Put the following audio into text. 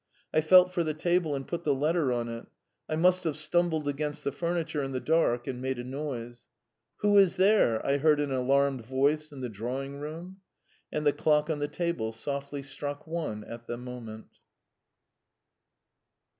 I felt for the table and put the letter on it. I must have stumbled against the furniture in the dark and made a noise. "Who is there?" I heard an alarmed voice in the drawing room. And the clock on the table softly struck one at the moment.